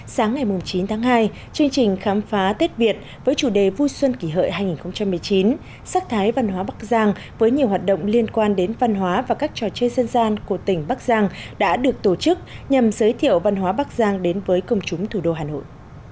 sáng ngày chín tháng hai chương trình khám phá tết việt với chủ đề vui xuân kỷ hợi hai nghìn một mươi chín sắc thái văn hóa bắc giang với nhiều hoạt động liên quan đến văn hóa và các trò chơi dân gian của tỉnh bắc giang đã được tổ chức nhằm giới thiệu văn hóa bắc giang đến với công chúng thủ đô hà nội